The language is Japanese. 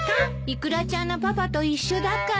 イクラちゃんのパパと一緒だから。